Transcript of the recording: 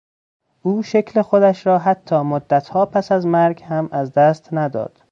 او شکل خودش را حتی مدتها پس از مرگ هم از دست نداد.